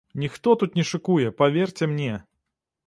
Ніхто тут не шыкуе, паверце мне!